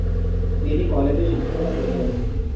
তিনি কলেজে শিক্ষকতা করতেন।